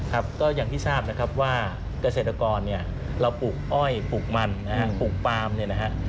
ครับก็อย่างที่ทราบนะครับว่าเกษตรกรเนี่ยเราปลูกอ้อยปลูกมันนะฮะปลูกปลามเนี่ยนะฮะ